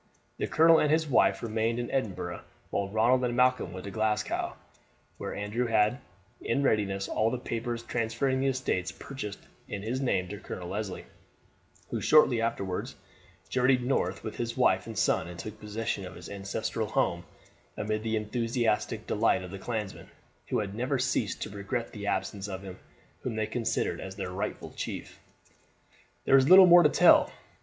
The colonel and his wife remained in Edinburgh while Ronald and Malcolm went to Glasgow, where Andrew had in readiness all the papers transferring the estates purchased in his name to Colonel Leslie, who shortly afterwards journeyed north with his wife and son and took possession of his ancestral home amid the enthusiastic delight of the clansmen, who had never ceased to regret the absence of him whom they considered as their rightful chief. There is little more to tell.